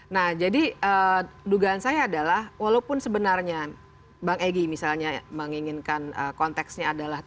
nah jadi dugaan saya adalah walaupun sebenarnya bang egy misalnya menginginkan konteksnya adalah